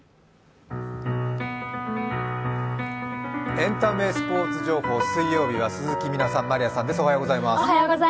エンタメスポーツ情報、水曜日は鈴木みなさん、まりあさんです。